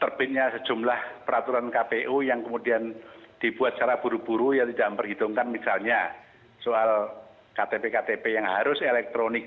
terbitnya sejumlah peraturan kpu yang kemudian dibuat secara buru buru yang tidak memperhitungkan misalnya soal ktp ktp yang harus elektronik